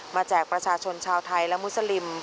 แจกประชาชนชาวไทยและมุสลิม